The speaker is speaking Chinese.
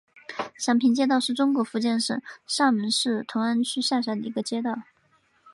祥平街道是中国福建省厦门市同安区下辖的一个街道。